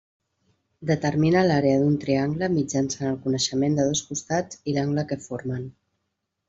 Determina l'àrea d'un triangle mitjançant el coneixement de dos costats i l'angle que formen.